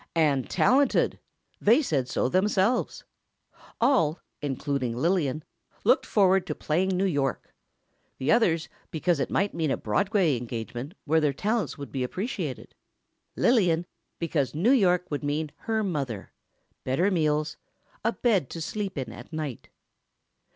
And talented; they said so themselves. All, including Lillian, looked forward to playing New York. The others because it might mean a Broadway engagement where their talents would be appreciated. Lillian, because New York would mean her mother ... better meals ... a bed to sleep in at night.